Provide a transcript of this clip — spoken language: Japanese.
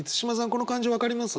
この感じ分かります？